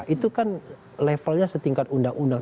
itu kan levelnya setingkat undang undang